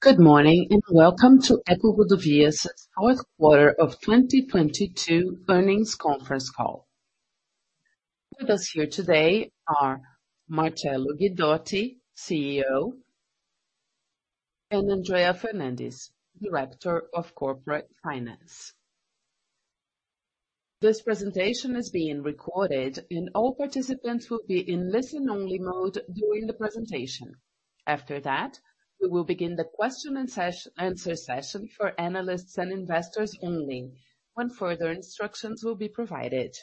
Good morning, welcome to EcoRodovias' fourth quarter of 2022 earnings conference call. With us here today are Marcello Guidotti, CEO, and Andrea Fernandes, Director of Corporate Finance. This presentation is being recorded and all participants will be in listen-only mode during the presentation. We will begin the question and answer session for analysts and investors only, when further instructions will be provided.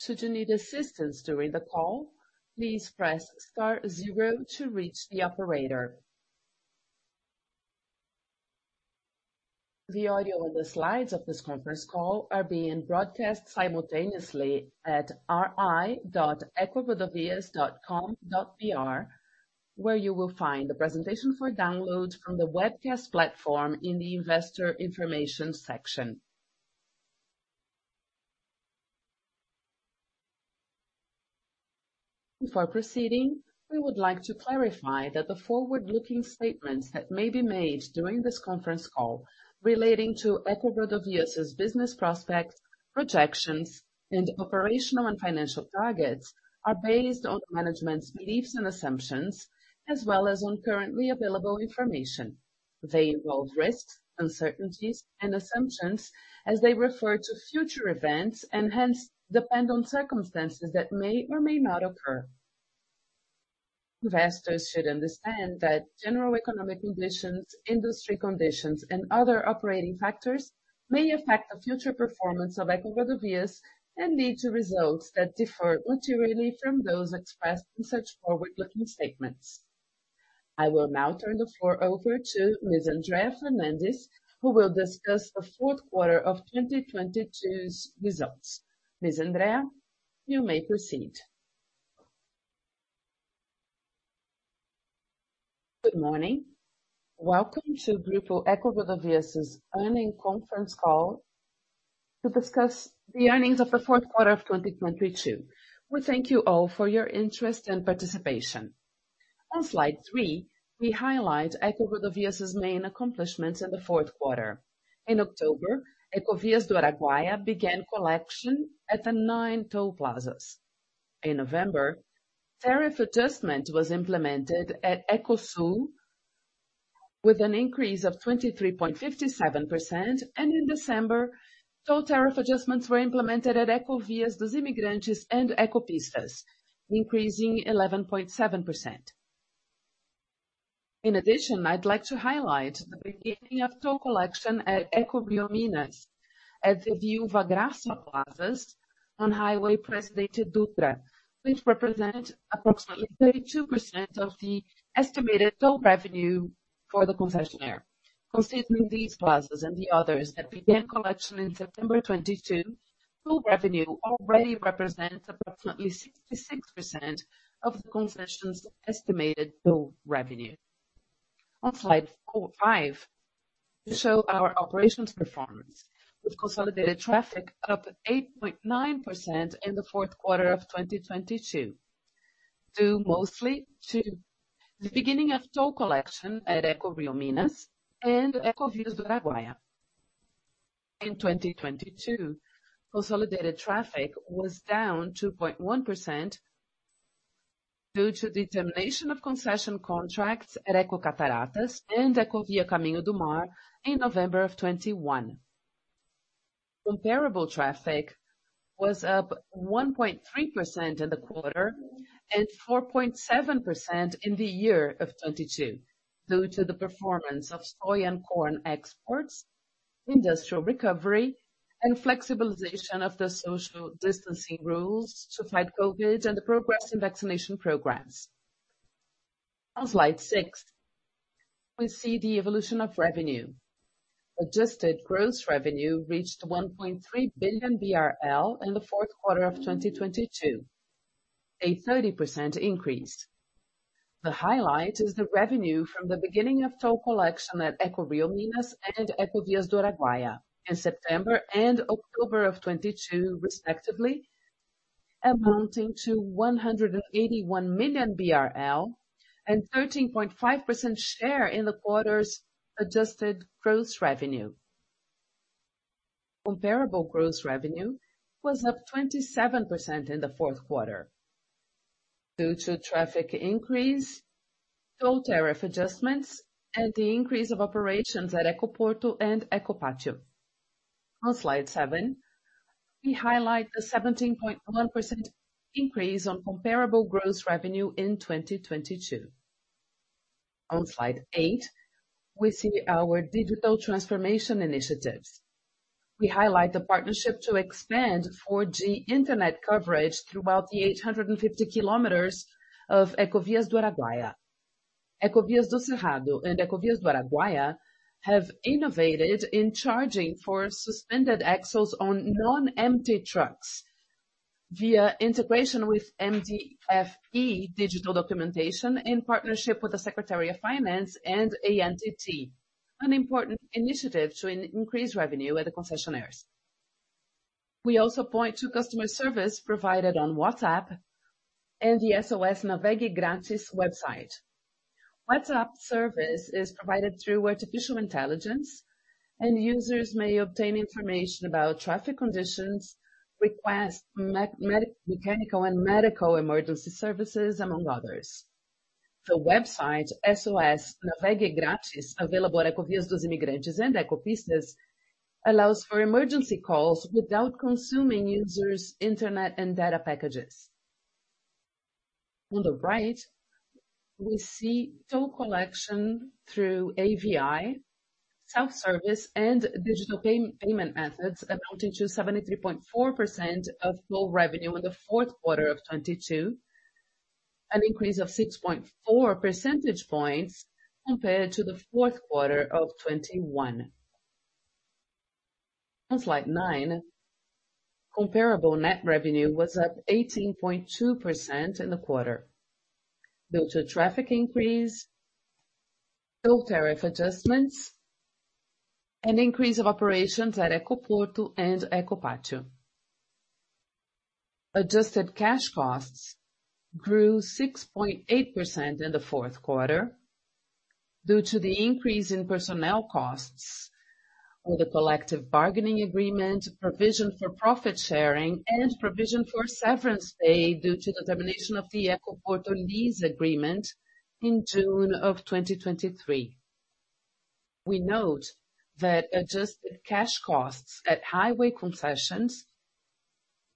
Should you need assistance during the call, please press Star Zero to reach the operator. The audio and the slides of this conference call are being broadcast simultaneously at ri.ecorodovias.com.br, where you will find the presentation for download from the webcast platform in the investor information section. Before proceeding, we would like to clarify that the forward-looking statements that may be made during this conference call relating to EcoRodovias' business prospects, projections, and operational and financial targets are based on management's beliefs and assumptions, as well as on currently available information. They involve risks, uncertainties, and assumptions as they refer to future events and hence depend on circumstances that may or may not occur. Investors should understand that general economic conditions, industry conditions, and other operating factors may affect the future performance of EcoRodovias and lead to results that differ materially from those expressed in such forward-looking statements. I will now turn the floor over to Ms. Andrea Fernandes, who will discuss the fourth quarter of 2022's results. Ms. Andrea, you may proceed. Good morning. Welcome to Grupo EcoRodovias' earning conference call to discuss the earnings of the fourth quarter of 2022. We thank you all for your interest and participation. On slide three, we highlight EcoRodovias' main accomplishments in the fourth quarter. In October, Ecovias do Araguaia began collection at the three toll plazas. In November, tariff adjustment was implemented at Ecosul with an increase of 23.57%, and in December, toll tariff adjustments were implemented at Ecovias dos Imigrantes and Ecopistas, increasing 11.7%. In addition, I'd like to highlight the beginning of toll collection at Ecovias Minas at the Viúva Graça Plazas on Highway Presidente Dutra, which represent approximately 32% of the estimated toll revenue for the concessionaire. Considering these plazas and the others that began collection in September 2022, toll revenue already represents approximately 66% of the concession's estimated toll revenue. On slide five, we show our operations performance with consolidated traffic up 8.9% in the fourth quarter of 2022, due mostly to the beginning of toll collection at Ecovias Minas and Ecovias do Araguaia. In 2022, consolidated traffic was down 2.1% due to the termination of concession contracts at Ecocataratas and Ecovia Caminho do Mar in November of 2021. Comparable traffic was up 1.3% in the quarter and 4.7% in the year of 2022 due to the performance of soy and corn exports, industrial recovery, and flexibilization of the social distancing rules to fight COVID and the progress in vaccination programs. On slide six, we see the evolution of revenue. Adjusted gross revenue reached 1.3 billion BRL in the fourth quarter of 2022, a 30% increase. The highlight is the revenue from the beginning of toll collection at Ecovias Minas and Ecovias do Araguaia in September and October of 2022 respectively, amounting to BRL 181 million and 13.5% share in the quarter's adjusted gross revenue. Comparable gross revenue was up 27% in the fourth quarter due to traffic increase, toll tariff adjustments, and the increase of operations at Ecoporto and Ecopátio. On slide seven, we highlight the 17.1% increase on comparable gross revenue in 2022. On slide eight, we see our digital transformation initiatives. We highlight the partnership to expand 4G internet coverage throughout the 850 km of Ecovias do Araguaia. Ecovias do Cerrado and Ecovias do Araguaia have innovated in charging for suspended axles on non-empty trucks via integration with MDF-e digital documentation in partnership with the Secretary of Finance and ANTT, an important initiative to increase revenue at the concessionaires. We also point to customer service provided on WhatsApp and the SOS Navegue Grátis website. Users may obtain information about traffic conditions, request mechanical and medical emergency services, among others. The website, SOS Navegue Grátis, available at Ecovias dos Imigrantes and Ecopistas, allows for emergency calls without consuming users' internet and data packages. On the right, we see toll collection through AVI, self-service and digital payment methods amounting to 73.4% of total revenue in the fourth quarter of 2022, an increase of 6.4 percentage points compared to the fourth quarter of 2021. On slide nine, comparable net revenue was up 18.2% in the quarter due to traffic increase, toll tariff adjustments, and increase of operations at Ecoporto and Ecopátio. Adjusted cash costs grew 6.8% in the fourth quarter due to the increase in personnel costs with the collective bargaining agreement, provision for profit sharing, and provision for severance pay due to the termination of the Ecoporto lease agreement in June 2023. We note that adjusted cash costs at highway concessions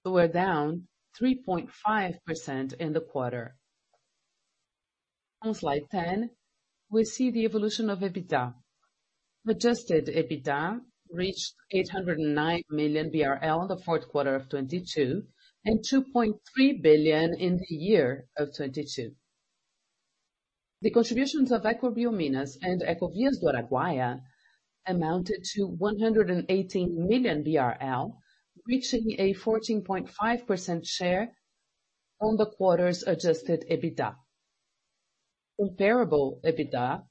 were down 3.5% in the quarter. On slide 10, we see the evolution of EBITDA. Adjusted EBITDA reached 809 million BRL in the fourth quarter of 2022, and 2.3 billion in the year of 2022. The contributions of Ecovias Minas and Ecovias do Araguaia amounted to 118 million BRL, reaching a 14.5% share on the quarter's adjusted EBITDA. Comparable EBITDA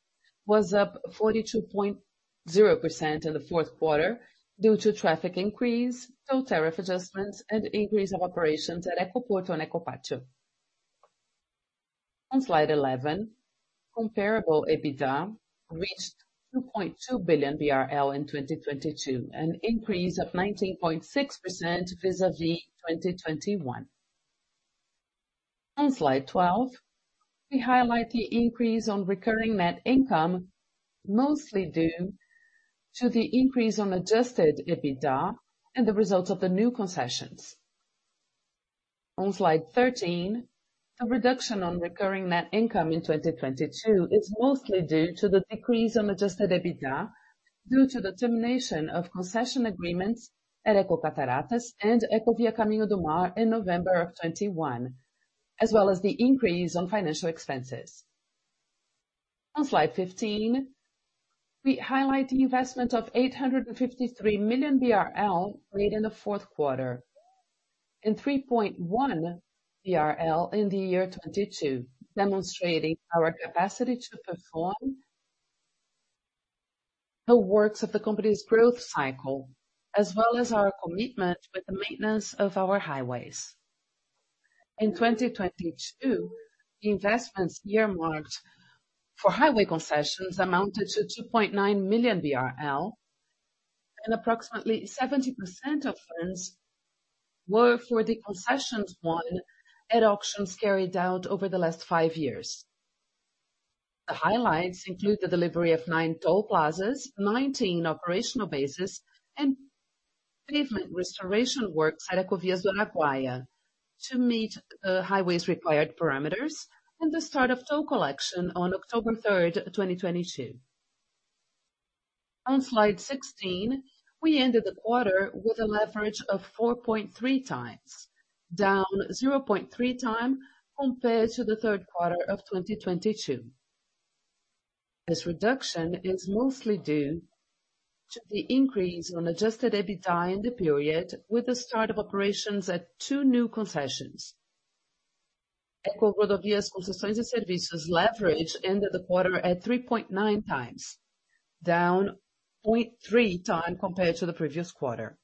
was up 42.0% in the fourth quarter due to traffic increase, toll tariff adjustments, and increase of operations at Ecoporto and Ecopátio. On slide 11, comparable EBITDA reached 2.2 billion BRL in 2022, an increase of 19.6% vis-à-vis 2021. On slide 12, we highlight the increase on recurring net income, mostly due to the increase on adjusted EBITDA and the results of the new concessions. On slide 13, a reduction on recurring net income in 2022 is mostly due to the decrease on adjusted EBITDA, due to the termination of concession agreements at Ecocataratas and Ecovia Caminho do Mar in November of 2021, as well as the increase on financial expenses. On slide 15, we highlight the investment of 853 million BRL made in the fourth quarter, and 3.1 BRL in the year 2022, demonstrating our capacity to perform the works of the company's growth cycle, as well as our commitment with the maintenance of our highways. In 2022, the investments earmarked for highway concessions amounted to 2.9 million BRL, and approximately 70% of funds were for the concessions won at auctions carried out over the last five years. The highlights include the delivery of nine toll plazas, 19 operational bases, and pavement restoration works at Ecovias do Araguaia to meet the highway's required parameters, and the start of toll collection on October 3, 2022. On slide 16, we ended the quarter with a leverage of 4.3x, down 0.3x compared to the third quarter of 2022. This reduction is mostly due to the increase on adjusted EBITDA in the period with the start of operations at two new concessions. EcoRodovias Concessões e Serviços leverage ended the quarter at 3.9x, down 0.3x compared to the previous quarter.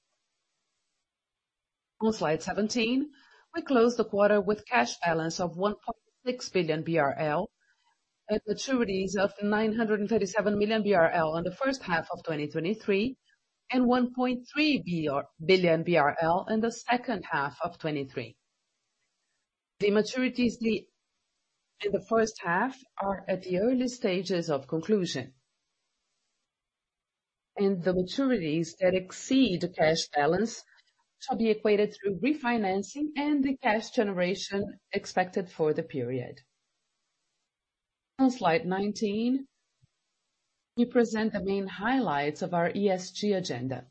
On slide 17, we closed the quarter with cash balance of 1.6 billion BRL and maturities of 937 million BRL in the first half of 2023, and 1.3 billion BRL in the second half of 2023. The maturities in the first half are at the early stages of conclusion. The maturities that exceed the cash balance shall be equated through refinancing and the cash generation expected for the period. On slide 19, we present the main highlights of our ESG agenda.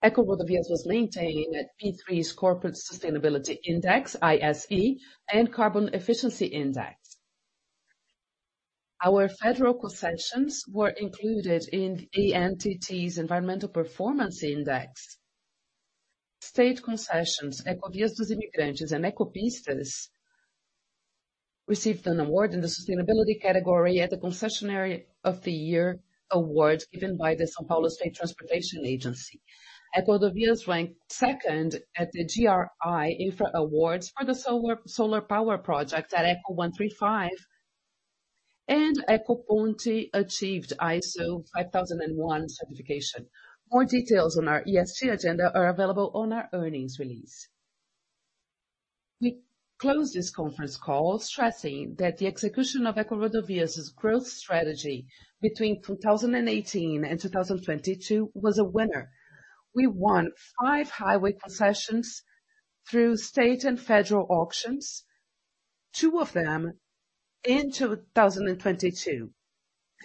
Ecovias was maintained at B3's Corporate Sustainability Index, ISE, and Carbon Efficient Index. Our federal concessions were included in the ANTT's Environmental Performance Index. State concessions, Ecovias dos Imigrantes and Ecopistas received an award in the sustainability category at the Concessionaire of the Year Award given by the São Paulo State Transportation Agency. EcoRodovias ranked second at the GRI Infra Awards for the solar power project at Eco135, and Ecoponte achieved ISO 50001 certification. More details on our ESG agenda are available on our earnings release. We close this conference call stressing that the execution of EcoRodovias' growth strategy between 2018 and 2022 was a winner. We won five highway concessions through state and federal auctions, two of them in 2022.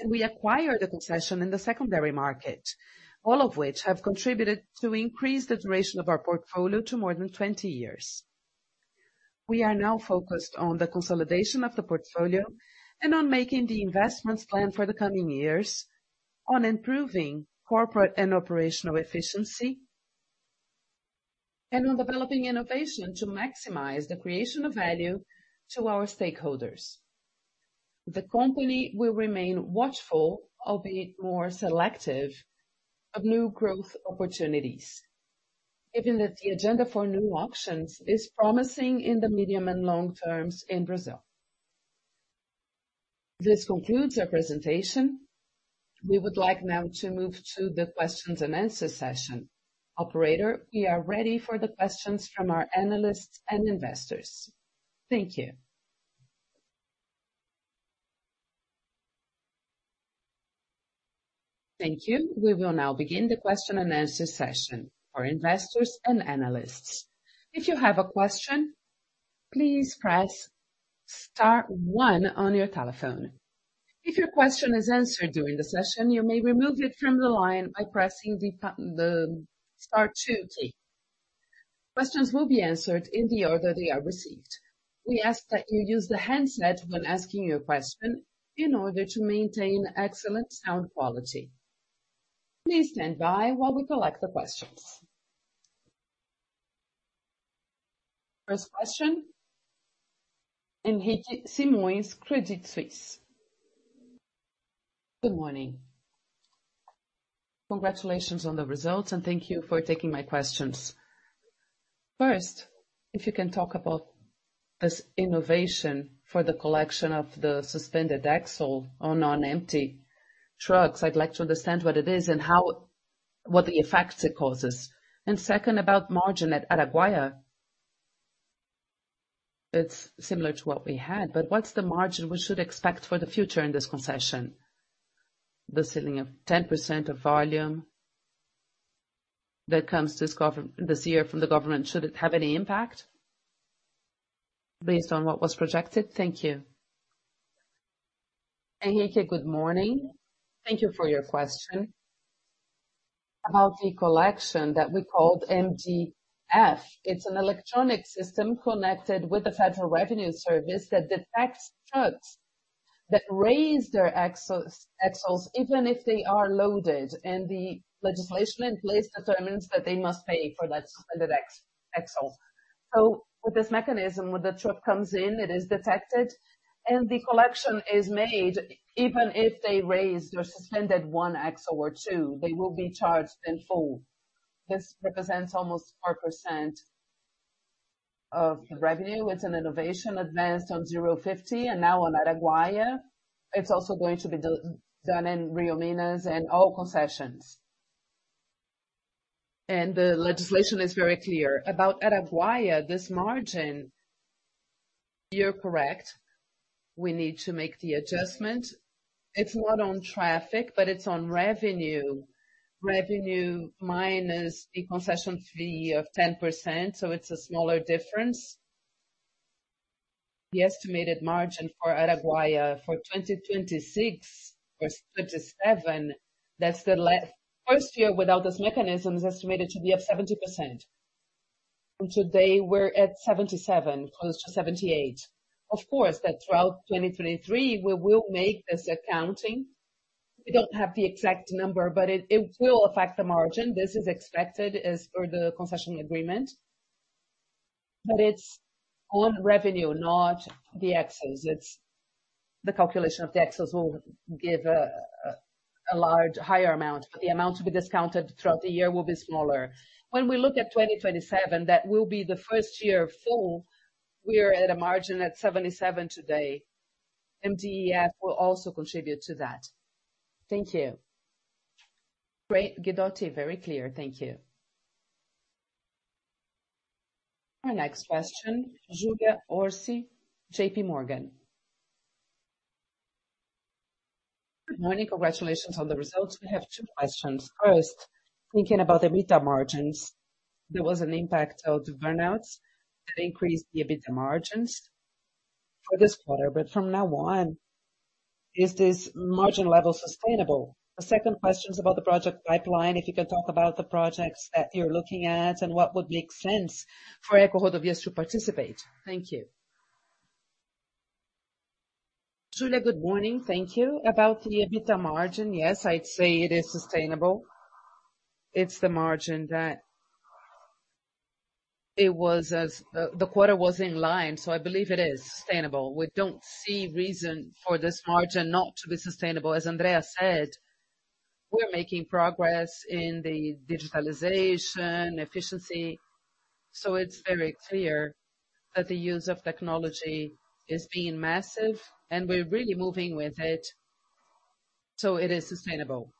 We acquired the concession in the secondary market, all of which have contributed to increase the duration of our portfolio to more than 20 years. We are now focused on the consolidation of the portfolio and on making the investments planned for the coming years, on improving corporate and operational efficiency, and on developing innovation to maximize the creation of value to our stakeholders. The company will remain watchful, albeit more selective, of new growth opportunities, given that the agenda for new auctions is promising in the medium and long terms in Brazil. This concludes our presentation. We would like now to move to the questions and answers session. Operator, we are ready for the questions from our analysts and investors. Thank you. Thank you. We will now begin the question and answer session for investors and analysts. If you have a question, please press Star One on your telephone. If your question is answered during the session, you may remove it from the line by pressing the Star Two key. Questions will be answered in the order they are received. We ask that you use the handset when asking your question in order to maintain excellent sound quality. Please stand by while we collect the questions. First question, Henrique Simões, Credit Suisse. Good morning. Congratulations on the results, and thank you for taking my questions. First, if you can talk about this innovation for the collection of the suspended axle on non-empty trucks. I'd like to understand what it is and how what the effects it causes. Second, about margin at Araguaia. It's similar to what we had, but what's the margin we should expect for the future in this concession? The ceiling of 10% of volume that comes this year from the government, should it have any impact based on what was projected? Thank you. Henrique, good morning. Thank you for your question. About the collection that we called MGF, it's an electronic system connected with the Federal Revenue Service that detects trucks that raise their axles, even if they are loaded. The legislation in place determines that they must pay for that suspended axle. With this mechanism, when the truck comes in, it is detected, and the collection is made. Even if they raise or suspended one axle or two, they will be charged in full. This represents almost 4% of the revenue. It's an innovation advanced on Eco050 and now on Araguaia. It's also going to be done in Rio-Minas and all concessions. The legislation is very clear. About Araguaia, this margin, you're correct. We need to make the adjustment. It's not on traffic, but it's on revenue. Revenue minus the concession fee of 10%, it's a smaller difference. The estimated margin for Araguaia for 2026 or 2027, that's the first year without this mechanism, is estimated to be at 70%. Today we're at 77%, close to 78%. Of course, throughout 2023 we will make this accounting. We don't have the exact number, but it will affect the margin. This is expected as per the concession agreement. It's on revenue, not the axles. It's the calculation of the axles will give a higher amount, but the amount to be discounted throughout the year will be smaller. When we look at 2027, that will be the first year full. We are at a margin at 77% today. MDEF will also contribute to that. Thank you. Great, Guidotti. Very clear. Thank you. Our next question, Julia Orsi, J.P. Morgan. Good morning. Congratulations on the results. We have two questions. Thinking about EBITDA margins, there was an impact of the burnouts that increased the EBITDA margins for this quarter. From now on, is this margin level sustainable? The second question is about the project pipeline. If you can talk about the projects that you're looking at and what would make sense for EcoRodovias to participate. Thank you. Julia, good morning. Thank you. About the EBITDA margin, yes, I'd say it is sustainable. It's the margin. It was as, the quarter was in line, so I believe it is sustainable. We don't see reason for this margin not to be sustainable. As Andrea said, we're making progress in the digitalization efficiency, so it's very clear that the use of technology is being massive, and we're really moving with it. It is sustainable.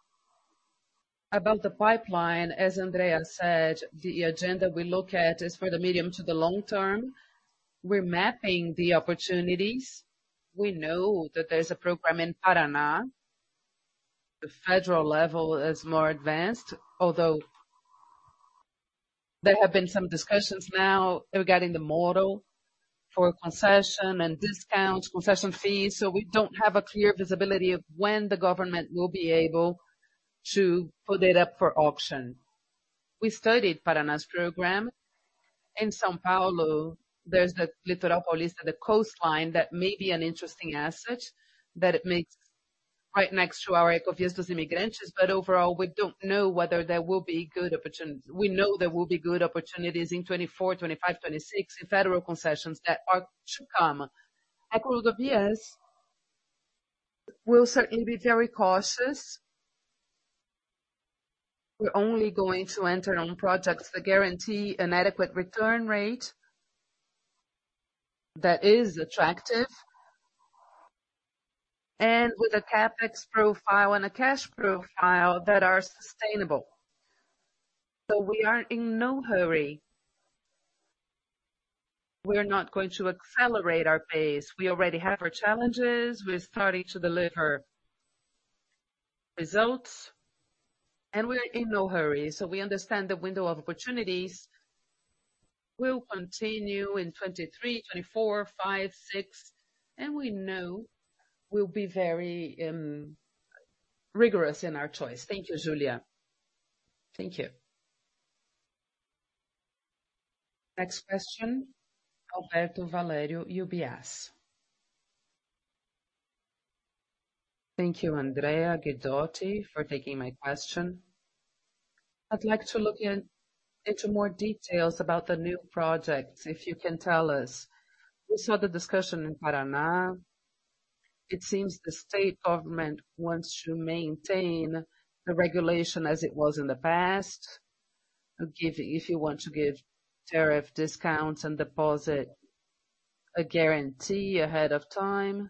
About the pipeline, as Andrea said, the agenda we look at is for the medium to the long term. We're mapping the opportunities. We know that there's a program in Paraná. The federal level is more advanced, although there have been some discussions now regarding the model for concession and discounts, concession fees. We don't have a clear visibility of when the government will be able to put it up for auction. We studied Paraná's program. In São Paulo, there's the Litoral Paulista, the coastline, that may be an interesting asset, that it makes right next to our Ecovias dos Imigrantes. Overall, we don't know whether there will be good opportunities. We know there will be good opportunities in 2024, 2025, 2026 in federal concessions that are to come. Ecovias will certainly be very cautious. We're only going to enter on projects that guarantee an adequate return rate that is attractive and with a CapEx profile and a cash profile that are sustainable. We are in no hurry. We're not going to accelerate our pace. We already have our challenges. We're starting to deliver results, and we're in no hurry. We understand the window of opportunities will continue in 2023, 2024, 2025, 2026, and we know we'll be very rigorous in our choice. Thank you, Julia. Thank you. Next question, Alberto Valerio, UBS. Thank you, Andrea, Guidotti, for taking my question. I'd like to look into more details about the new projects, if you can tell us. We saw the discussion in Paraná. It seems the state government wants to maintain the regulation as it was in the past. If you want to give tariff discounts and deposit a guarantee ahead of time,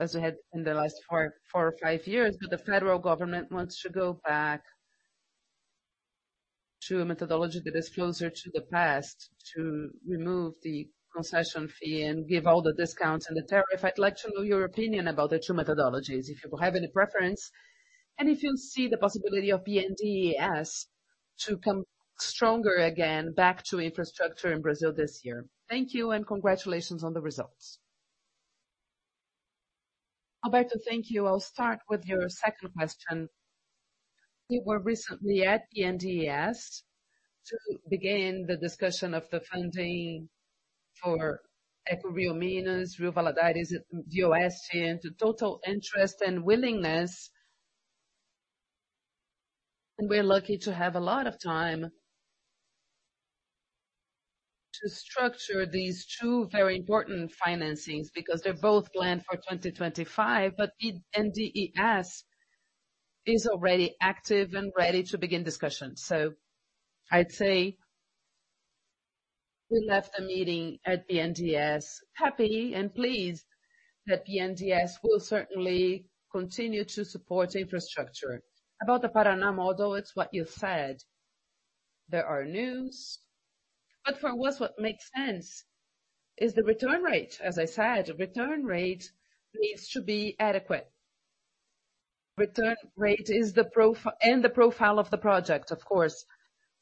as we had in the last four or five years. The Federal Government wants to go back to a methodology that is closer to the past to remove the concession fee and give all the discounts and the tariff. I'd like to know your opinion about the two methodologies, if you have any preference, and if you see the possibility of BNDES to come stronger again back to infrastructure in Brazil this year? Thank you, congratulations on the results. Alberto, thank you. I'll start with your second question. We were recently at BNDES to begin the discussion of the funding for Ecovias Minas, Rio Valadares, and the OS and the total interest and willingness. We're lucky to have a lot of time to structure these two very important financings, because they're both planned for 2025. BNDES is already active and ready to begin discussions. I'd say we left the meeting at BNDES happy and pleased that BNDES will certainly continue to support infrastructure. The Parana model, it's what you said. There are news, but for us, what makes sense is the return rate. I said, return rate needs to be adequate. Return rate is the profile of the project, of course.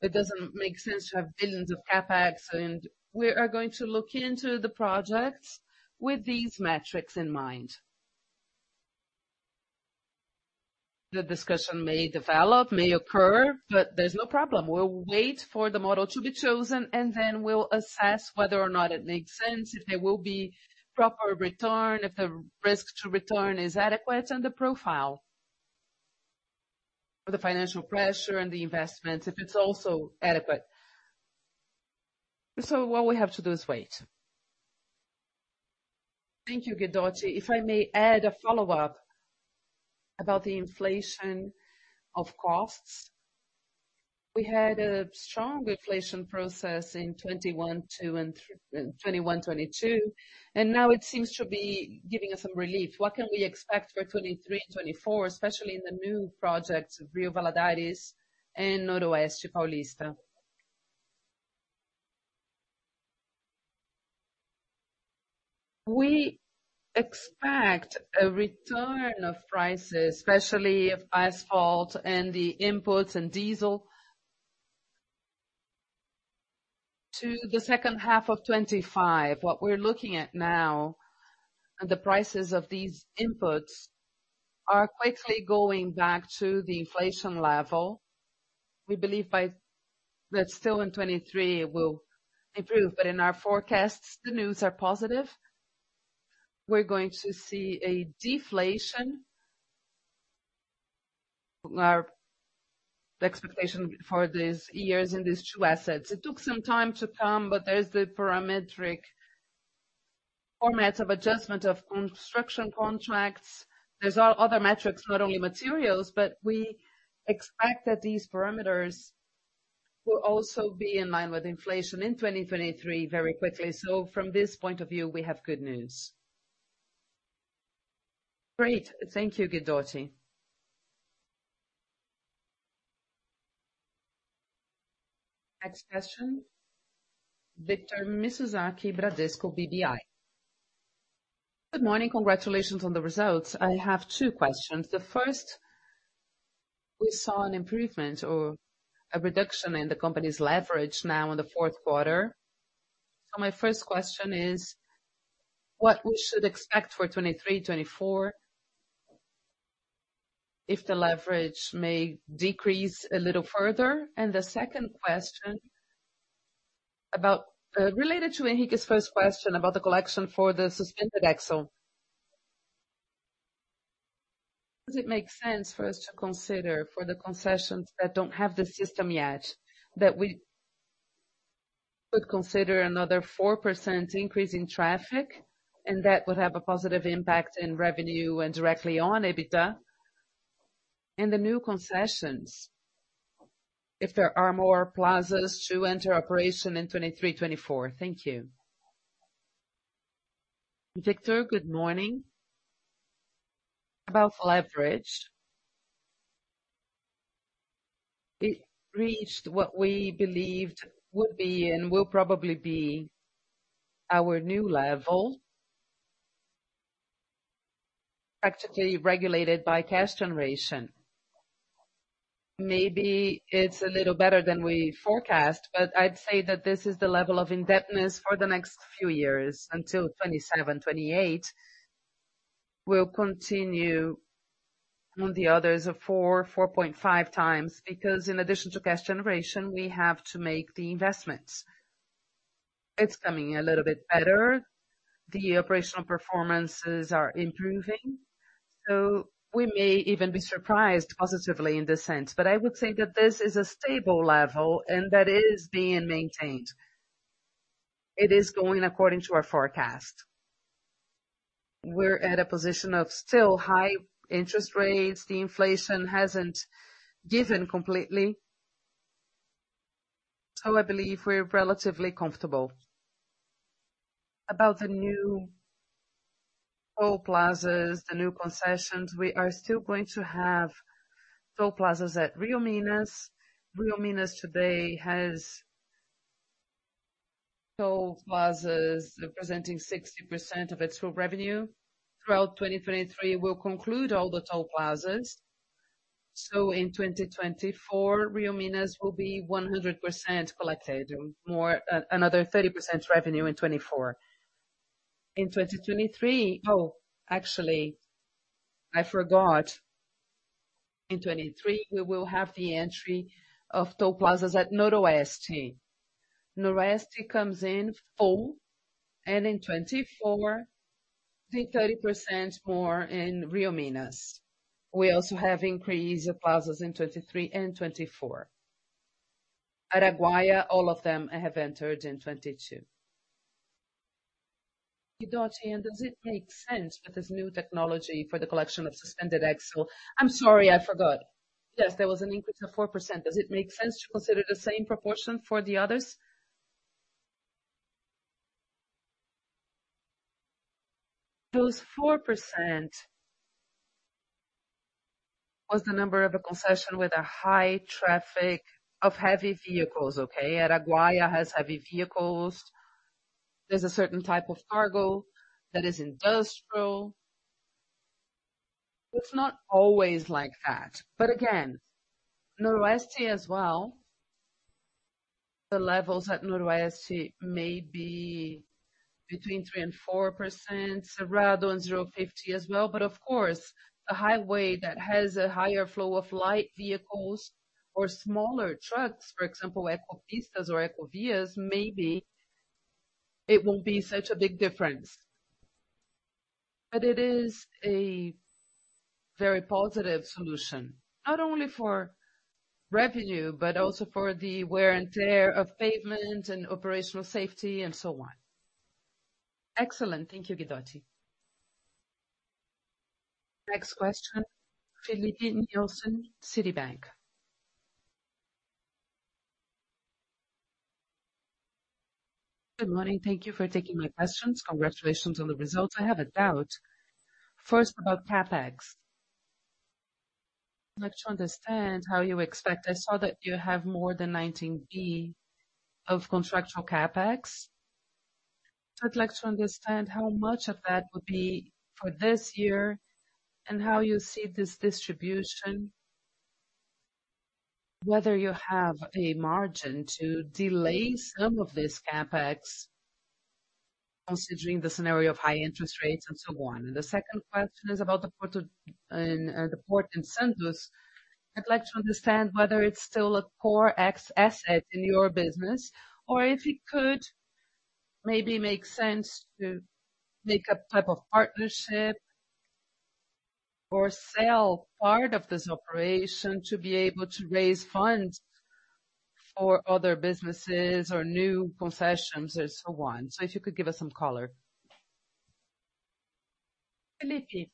It doesn't make sense to have billions of CapEx. We are going to look into the projects with these metrics in mind. The discussion may develop, may occur, but there's no problem. We'll wait for the model to be chosen, then we'll assess whether or not it makes sense, if there will be proper return, if the risk to return is adequate, and the profile for the financial pressure and the investments, if it's also adequate. What we have to do is wait. Thank you, Guidotti. If I may add a follow-up about the inflation of costs. We had a strong inflation process in 2021, 2022, now it seems to be giving us some relief. What can we expect for 2023, 2024, especially in the new projects, Rio Valadares and Noroeste Paulista? We expect a return of prices, especially of asphalt and the inputs and diesel, to the second half of 2025. What we're looking at now, the prices of these inputs are quickly going back to the inflation level. We believe that still in 2023 it will improve. In our forecasts, the news are positive. We're going to see a deflation. Our expectation for these years in these two assets. It took some time to come, there's the parametric formats of adjustment of construction contracts. There's other metrics, not only materials, we expect that these parameters will also be in line with inflation in 2023 very quickly. From this point of view, we have good news. Great. Thank you, Guidotti. Next question, Victor Mizusaki, Bradesco BBI. Good morning. Congratulations on the results. I have two questions. The first, we saw an improvement or a reduction in the company's leverage now in the fourth quarter. My first question is, what we should expect for 2023, 2024 if the leverage may decrease a little further? The second question related to Henrique's first question about the collection for the suspended axle. Does it make sense for us to consider for the concessions that don't have the system yet, that we could consider another 4% increase in traffic, and that would have a positive impact in revenue and directly on EBITDA? In the new concessions, if there are more plazas to enter operation in 2023, 2024. Thank you. Victor, good morning. About leverage. It reached what we believed would be and will probably be our new level, practically regulated by cash generation. Maybe it's a little better than we forecast, but I'd say that this is the level of indebtedness for the next few years until 2027, 2028. We'll continue on the others at 4.5x because in addition to cash generation, we have to make the investments. It's coming a little bit better. The operational performances are improving. We may even be surprised positively in this sense. I would say that this is a stable level and that it is being maintained. It is going according to our forecast. We're at a position of still high interest rates. The inflation hasn't given completely. I believe we're relatively comfortable. About the new toll plazas, the new concessions, we are still going to have toll plazas at Rio Minas. Rio Minas today has toll plazas representing 60% of its full revenue. Throughout 2023, we'll conclude all the toll plazas. In 2024, Rio Minas will be 100% collected, another 30% revenue in 2024. In 2023, actually, I forgot. In 2023, we will have the entry of toll plazas at Noroeste. Noroeste comes in full, in 2024, the 30% more in Rio-Minas. We also have increase of plazas in 2023 and 2024. Araguaia, all of them have entered in 2022. Guidotti, does it make sense with this new technology for the collection of suspended axle? I'm sorry, I forgot. Yes, there was an increase of 4%. Does it make sense to consider the same proportion for the others? Those 4% was the number of a concession with a high traffic of heavy vehicles, okay? Araguaia has heavy vehicles. There's a certain type of cargo that is industrial. It's not always like that. Again, Noroeste as well, the levels at Noroeste may be between 3% and 4%, Cerrado and Zero Fifty as well. Of course, a highway that has a higher flow of light vehicles or smaller trucks, for example, Ecopistas or Ecovias, maybe it won't be such a big difference. It is a very positive solution, not only for revenue, but also for the wear and tear of pavement and operational safety and so on. Excellent. Thank you, Guidotti. Next question, Filipe Nielsen, Citi. Good morning. Thank you for taking my questions. Congratulations on the results. I have a doubt. First, about CapEx. I'd like to understand how you expect. I saw that you have more than 19 billion of contractual CapEx. I'd like to understand how much of that would be for this year and how you see this distribution, whether you have a margin to delay some of this CapEx considering the scenario of high interest rates and so on. The second question is about the Porto, the Port in Santos. I'd like to understand whether it's still a core asset in your business or if it Maybe make sense to make a type of partnership or sell part of this operation to be able to raise funds for other businesses or new concessions and so on. If you could give us some color. Filipe,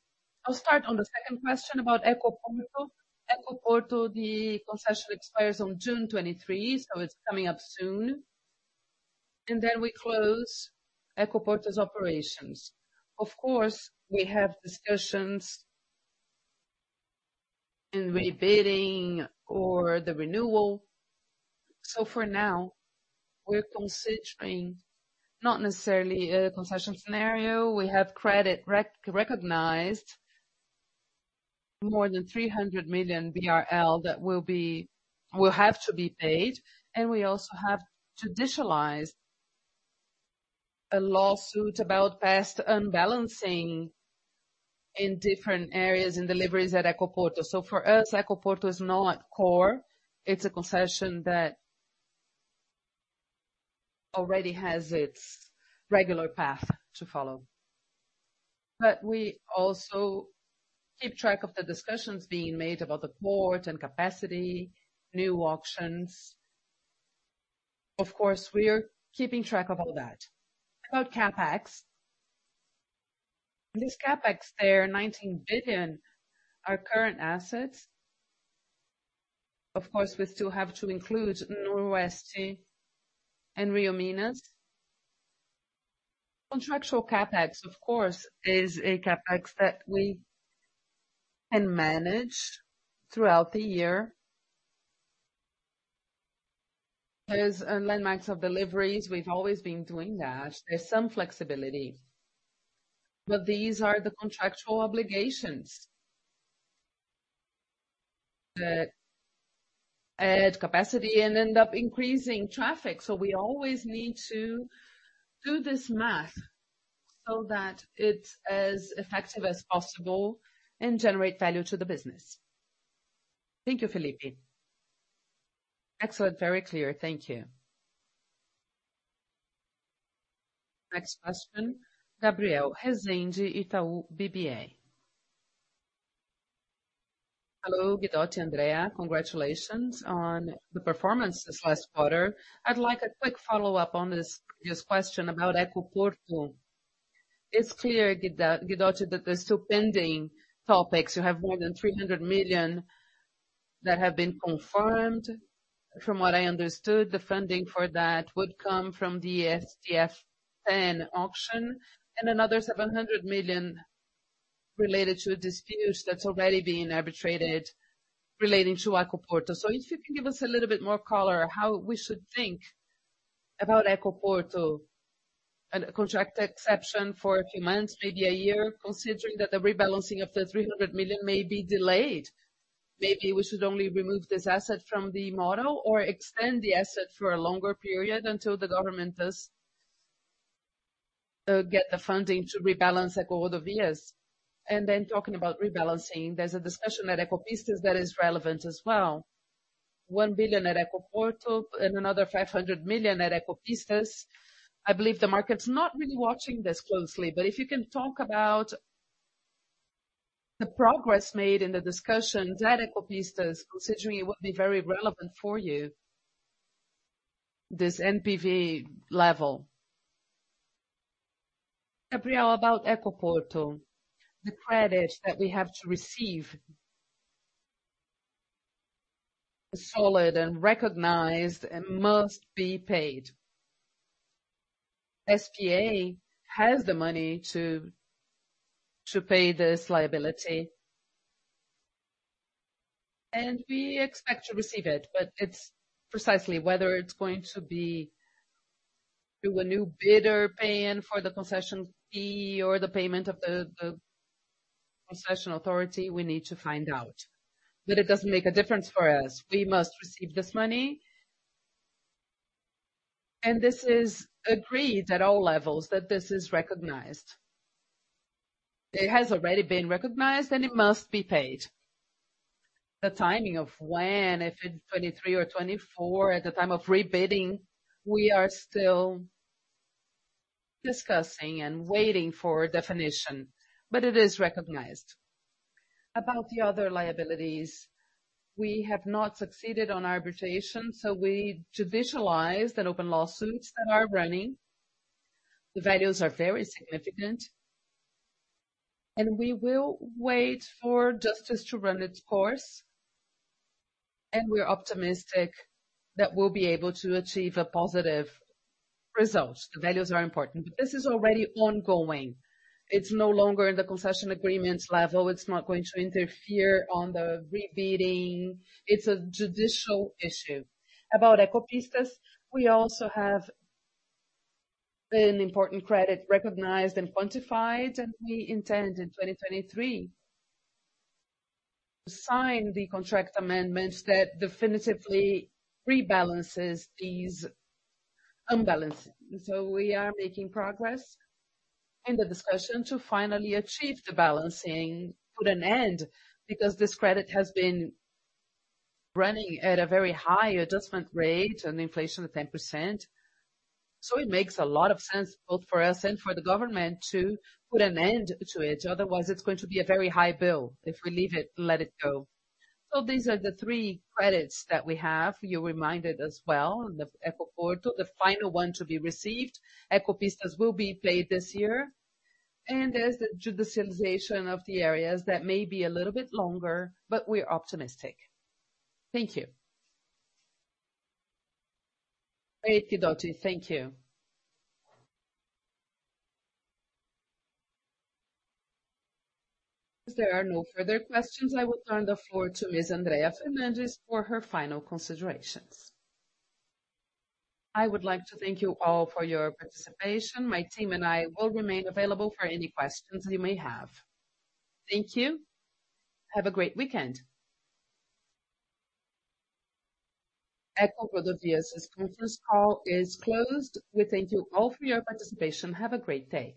I'll start on the second question about Ecoporto. Ecoporto, the concession expires on June 23, so it's coming up soon. We close Ecoporto's operations. Of course, we have discussions in rebidding or the renewal. For now, we're considering not necessarily a concession scenario. We have credit recognized more than 300 million BRL that will have to be paid. We also have to digitize a lawsuit about past unbalancing in different areas in deliveries at Ecoporto. For us, Ecoporto is not core. It's a concession that already has its regular path to follow. We also keep track of the discussions being made about the port and capacity, new auctions. Of course, we are keeping track of all that. About CapEx. This CapEx there, 19 billion, are current assets. Of course, we still have to include Northwest and Rio Minas. Contractual CapEx, of course, is a CapEx that we can manage throughout the year. There's landmarks of deliveries. We've always been doing that. There's some flexibility. These are the contractual obligations that add capacity and end up increasing traffic. We always need to do this math so that it's as effective as possible and generate value to the business. Thank you, Filipe. Excellent. Very clear. Thank you. Next question, Gabriel Rezende, Itaú BBA. Hello, Guidotti, Andrea. Congratulations on the performance this last quarter. I'd like a quick follow-up on this previous question about Ecoporto. It's clear, Gida, Guidotti, that there's still pending topics. You have more than 300 million that have been confirmed. From what I understood, the funding for that would come from the STS10 auction and another 700 million related to a dispute that's already being arbitrated relating to Ecoporto. If you can give us a little bit more color how we should think about Ecoporto, a contract exception for a few months, maybe a year, considering that the rebalancing of the 300 million may be delayed. Maybe we should only remove this asset from the model or extend the asset for a longer period until the government does get the funding to rebalance EcoRodovias. Talking about rebalancing, there's a discussion at Ecopistas that is relevant as well. 1 billion at Ecoporto and another 500 million at Ecopistas. I believe the market's not really watching this closely, if you can talk about the progress made in the discussions at Ecopistas, considering it would be very relevant for you, this NPV level. Gabriel, about Ecoporto, the credit that we have to receive is solid and recognized and must be paid. SPI has the money to pay this liability. We expect to receive it, but it's precisely whether it's going to be through a new bidder paying for the concession fee or the payment of the concession authority, we need to find out. It doesn't make a difference for us. We must receive this money. This is agreed at all levels that this is recognized. It has already been recognized, it must be paid. The timing of when, if in 2023 or 2024 at the time of rebidding, we are still discussing and waiting for definition, but it is recognized. About the other liabilities, we have not succeeded on arbitration, so we need to visualize that open lawsuits that are running. The values are very significant. We will wait for justice to run its course. We're optimistic that we'll be able to achieve a positive result. The values are important. This is already ongoing. It's no longer in the concession agreement level. It's not going to interfere on the rebidding. It's a judicial issue. About Ecopistas, we also have an important credit recognized and quantified, and we intend in 2023 to sign the contract amendments that definitively rebalances these unbalancing. We are making progress in the discussion to finally achieve the balancing, put an end, because this credit has been running at a very high adjustment rate and inflation of 10%. It makes a lot of sense both for us and for the government to put an end to it. Otherwise, it's going to be a very high bill if we leave it and let it go. These are the three credits that we have. You're reminded as well in the Ecoporto, the final one to be received. Ecopistas will be paid this year. There's the judicialization of the areas that may be a little bit longer, but we're optimistic. Thank you. Great, Guidotti. Thank you. If there are no further questions, I will turn the floor to Ms. Andrea Fernandes for her final considerations. I would like to thank you all for your participation. My team and I will remain available for any questions you may have. Thank you. Have a great weekend. EcoRodovias' conference call is closed. We thank you all for your participation. Have a great day.